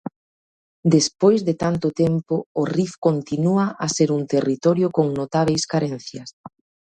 Despois de tanto tempo o Rif continúa a ser un territorio con notábeis carencias.